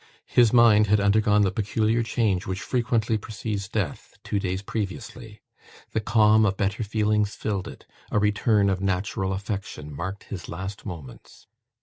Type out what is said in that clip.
His mind had undergone the peculiar change which frequently precedes death, two days previously; the calm of better feelings filled it; a return of natural affection marked his last moments.